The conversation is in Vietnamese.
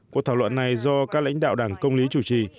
cuộc thảo luận này do các lãnh đạo đảng công lý chủ trì